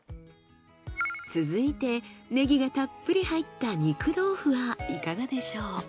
続いてねぎがたっぷり入った肉豆腐はいかがでしょう？